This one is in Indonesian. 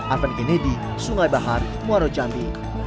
arvan genedi sungai bahar muarocanti